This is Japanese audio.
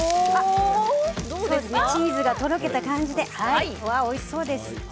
チーズがとろけた感じでおいしそうです。